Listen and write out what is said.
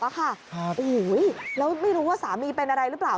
โอ้โหแล้วไม่รู้ว่าสามีเป็นอะไรหรือเปล่า